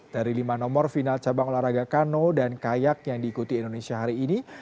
dari lima nomor final cabang olahraga kano dan kayak yang diikuti indonesia hari ini